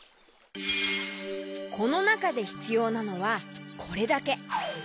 このなかでひつようなのはこれだけ。